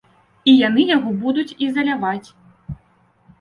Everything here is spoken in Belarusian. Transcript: І яны яго будуць ізаляваць.